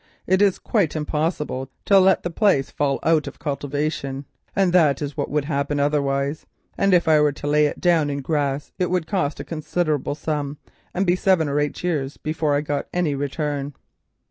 It is quite impossible to let the place fall out of cultivation—and that is what would happen otherwise, for if I were to lay it down in grass it would cost a considerable sum, and be seven or eight years before I got any return."